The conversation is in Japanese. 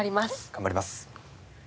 頑張ります。